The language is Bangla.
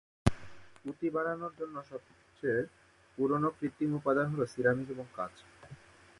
পুঁতি বানানোর জন্য সবচেয়ে পুরোনো কৃত্রিম উপাদান হলো সিরামিক এবং কাঁচ।